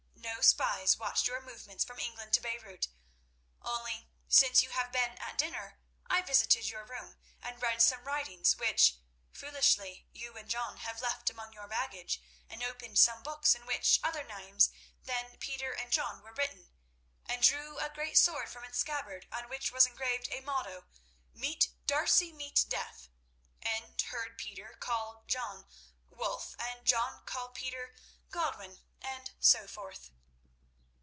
No spies watched your movements from England to Beirut. Only since you have been at dinner I visited your room and read some writings which, foolishly, you and John have left among your baggage, and opened some books in which other names than Peter and John were written, and drew a great sword from its scabbard on which was engraved a motto: 'Meet D'Arcy, meet Death!' and heard Peter call John Wulf, and John call Peter Godwin, and so forth."